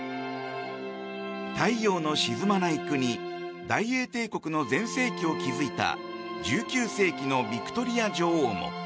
太陽の沈まない国大英帝国の全盛期を築いた１９世紀のヴィクトリア女王も。